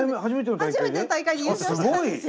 初めての大会で優勝したんですよ。